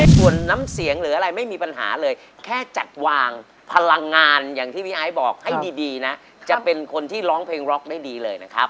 ส่วนน้ำเสียงหรืออะไรไม่มีปัญหาเลยแค่จัดวางพลังงานอย่างที่พี่ไอซ์บอกให้ดีนะจะเป็นคนที่ร้องเพลงร็อกได้ดีเลยนะครับ